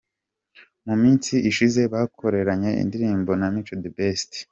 Mu minsi ishize bakoranye indirimbo na Mico The Best.